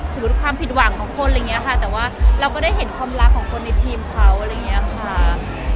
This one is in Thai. ความผิดหวังของคนอะไรอย่างนี้ค่ะแต่ว่าเราก็ได้เห็นความรักของคนในทีมเขาอะไรอย่างนี้ค่ะ